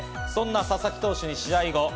そんな佐々木投手に試合後